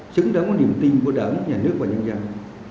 xứng đáng với niềm tin của đảng nhà nước và nhân dân